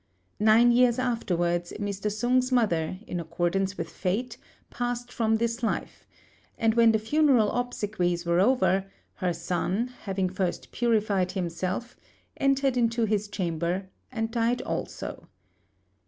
Nine years afterwards, Mr. Sung's mother, in accordance with fate, passed from this life; and when the funeral obsequies were over, her son, having first purified himself, entered into his chamber and died also.